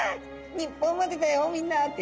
「日本までだよみんな」って。